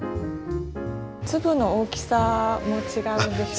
粒の大きさも違うんでしょうか？